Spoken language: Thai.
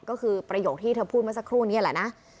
ก็คือประโยคที่เธอพูดมาสักครู่นี้แหละนะ